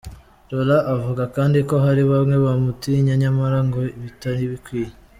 Laura avuga kandi ko hari bamwe bamutinya nyamara ngo bitari bikwiye.